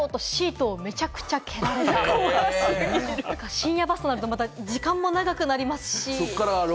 深夜バスですと時間も長くなりますし。